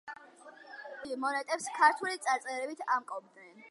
საბოლოოდ კი მონეტებს ქართული წარწერებით ამკობდნენ.